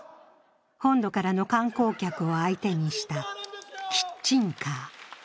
本土からの観光客を相手にしたキッチンカー。